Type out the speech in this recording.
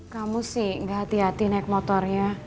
kamu sih gak hati hati naik motornya